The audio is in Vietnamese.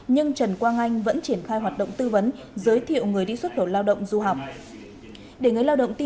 nhưng trần quang anh vẫn triển khai hoạt